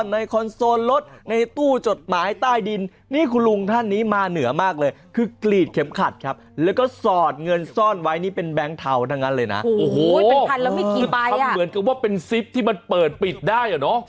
มันเหมือนกับว่าเป็นซิปที่มันเปิดปิดได้อ่ะเนอะ